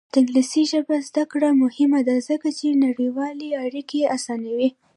د انګلیسي ژبې زده کړه مهمه ده ځکه چې نړیوالې اړیکې اسانوي.